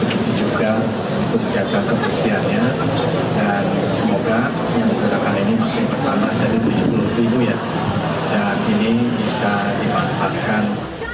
dan semoga ini makin pertama dari tujuh puluh ya dan ini bisa dimanfaatkan